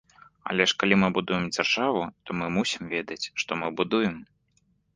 Але ж калі мы будуем дзяржаву, то мы мусім ведаць, што мы будуем.